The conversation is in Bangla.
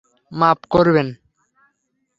মাফ করবেন?